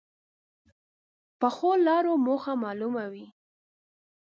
پخو لارو موخه معلومه وي